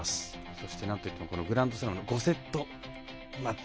そしてなんといってもグランドスラム５セットマッチ。